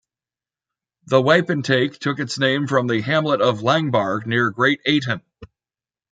The wapentake took its name from the hamlet of Langbaurgh, near Great Ayton.